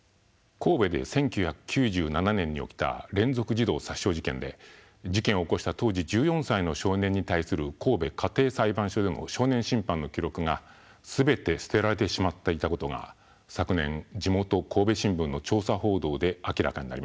神戸で１９９７年に起きた連続児童殺傷事件で事件を起こした当時１４歳の少年に対する神戸家庭裁判所での少年審判の記録が全て捨てられてしまっていたことが昨年地元神戸新聞の調査報道で明らかになりました。